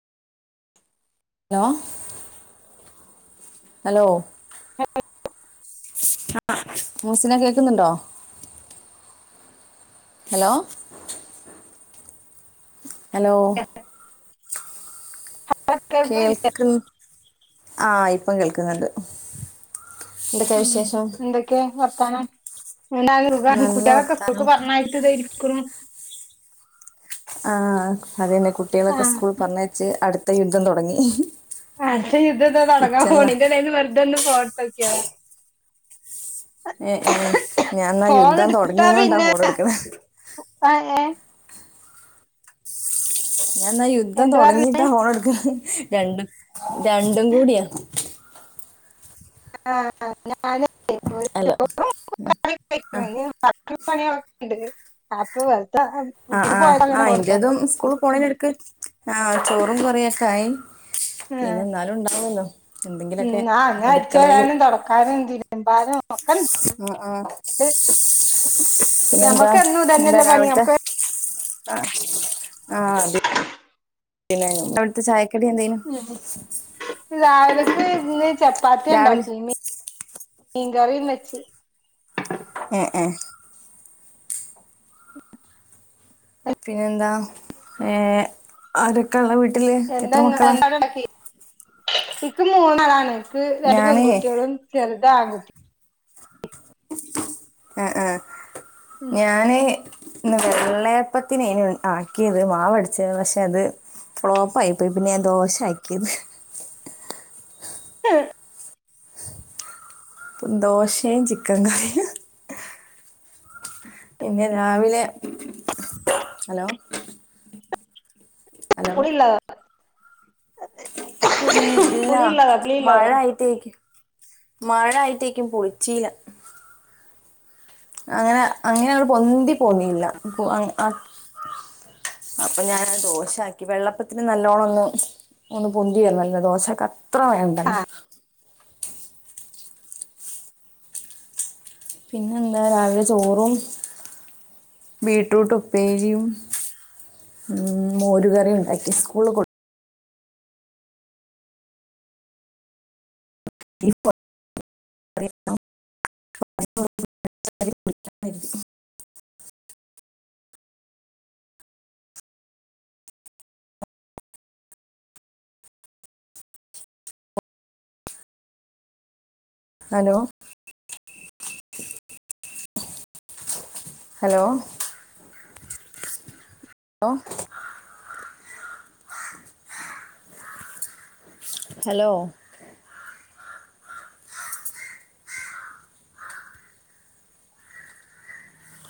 Hello hello ആഹ് മൂസിന കേക്കുന്നുണ്ടോ ഹലോ ഹലോ കേൾക്കണില്ലേ കേൾക്ക് ആഹ് ഇപ്പം കേൾക്കുന്നുണ്ട് എന്തൊക്കെയാ ഉം വിശേഷം എന്തൊക്കെ വർത്താനം നല്ല കുട്ടിയാളൊക്കെ സ്കൂൾക്ക് വർത്താനം പറഞ്ഞ ഇതായിരിക്ക്ണു ആഹ് അതന്നെ കുട്ടികളൊക്കെ ആഹ് സ്കൂൾ പറഞ്ഞയച്ച് അടുത്ത യുദ്ധം തുടങ്ങി അടുത്ത യുദ്ധന്ത തുടങ്ങാൻ പോണ് കിച്ചണിലാ അതിൻ്റെ ഇടയിൽ വെറുതോന്ന് ഫോണെടുത്ത് നോക്കിയതാ ഏ ഏ ഞാൻ എന്നാ യുദ്ധം എടുത്താ തുടങ്ങിയങ്ങൊണ്ടാ പിന്നെ ഫോൺ എടുക്ക്ണ [unintelligible] ഞാൻ എന്നാ യുദ്ധം എന്ത് പറഞ്ഞ് തുടങ്ങിട്ടാ ഫോൺ എടുക്ക രണ്ടും രണ്ടും കൂടിയാ ഹലോ [unintelligible] ആ [unintelligible] [unintelligible] ആഹ് പോയപ്പോ അങ്ങനെ ആഹ് ഫോൺ എടുത്തതാ എൻ്റേതും സ്കൂൾ പോണേ എടുക്ക് ആഹ് ചോറും കറിയൊക്കായി പിന്നെ ആഹ് എന്നാലും ഉണ്ടാവല്ലോ ഉം ആഹ് അങ്ങ അടിച്ച് വാരാനും തുടക്കാനും തിരുമ്പാനും ഒക്കെ ഇണ്ട് ഉം ഉം പിന്നെന്താ ഞമ്മക്ക് എന്നും എന്താ ഇതന്നെല്ലേ പണി രാവിൽത്തെ നമുക്ക് ആഹ് ആഹ് പിന്ന അവിടുത്തെ ചായക്കടി എന്തേനു രാവിലക്ക് ഇന്ന് ചപ്പാത്തി രാവിലെ ഉണ്ടാക്കീനി മീൻ കറിയും വെച്ച് ഏഹ് ഏഹ് പിന്നെന്താ ഏഹ് ആരൊക്കെള്ളെ വീട്ടില് എന്താ എത്ര മക്കളാ? എന്താണ് ഉണ്ടാക്കി ഇക്ക് മൂന്നാളാണ് നിക്ക് രണ്ട് ഞാനേ പെൺകുട്ടികളും ചെറുത് ആൺകുട്ടി ആഹ് ആഹ് ഉം ഞാന് ഇന്ന് വെള്ളയപ്പത്തിനേനി ആക്കിയത് മാവടിച്ചത് പക്ഷെ അത് ഫ്ലോപ്പ് ആയി പോയി. പിന്നെ ഞാൻ ദോശ ആക്കി. ഉം ദോശയും ചിക്കൻ കറിയും പിന്നെ രാവിലെ ഹലോ ഹലോ പുളിയൊള്ളതാ ഇ ഇല്ല പുളിയൊള്ളതാ മഴ പുളിയൊള്ളതാ മഴ ആയിത്തേക്കും പൊളിച്ചില. അങ്ങനെ അങ്ങനെയത് പൊന്തി പോന്നില്ല പൊ ആഹ് അപ്പൊ ഞാനത് ദോശ ആക്കി. വെള്ളപ്പത്തിന് നല്ലോണം ഒന്ന് ഒന്ന് പൊന്തി വരണല്ലോ ദോശൊക്ക അത്ര ആ വേണ്ടല്ലോ. പിന്നെന്താ രാവിലെ ചോറും ബീറ്റ്റൂട്ട് ഉപ്പേരിയും ഉം മോരുകറിയും ഉണ്ടാക്കി സ്കൂളില് [unintelligible] ഹലോ ഹലോ ഹലോ ഹലോ